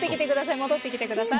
戻ってきてください。